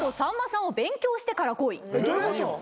どういうこと？